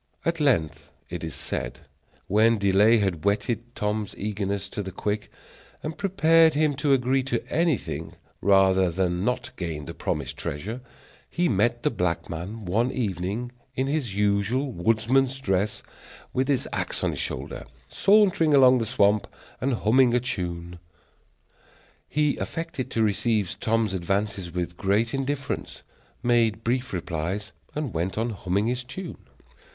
At length, it is said, when delay had whetted Tom's eagerness to the quick and prepared him to agree to anything rather than not gain the promised treasure, he met the black man one evening in his usual woodsman's dress, with his axe on his shoulder, sauntering along the swamp and humming a tune. He affected to receive Tom's advances with great indifference, made brief replies, and went on humming his tune.